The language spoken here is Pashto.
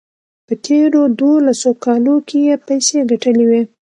په تېرو دولسو کالو کې یې پیسې ګټلې وې.